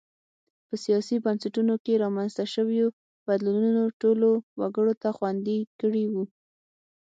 په سیاسي بنسټونو کې رامنځته شویو بدلونونو ټولو وګړو ته خوندي کړي وو.